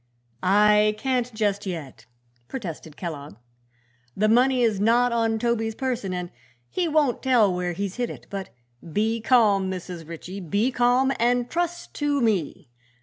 "I can't, just yet," protested Kellogg. "The money is not on Toby's person and he won't tell where he's hid it. But be calm, Mrs. Ritchie; be calm and trust to me.